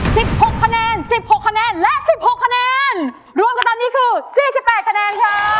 หกคะแนนสิบหกคะแนนและสิบหกคะแนนรวมกันตอนนี้คือสี่สิบแปดคะแนนค่ะ